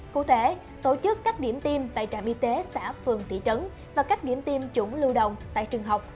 cụ thể tổ chức các điểm tiêm tại trạm y tế xã phường thị trấn và các điểm tiêm chủng lưu động tại trường học